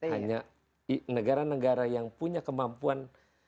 hanya negara negara yang punya kemampuan